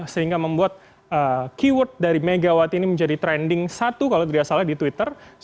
sehingga membuat keyword dari megawati ini menjadi trending satu kalau tidak salah di twitter